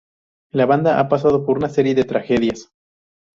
La banda ha pasado por una serie de tragedias.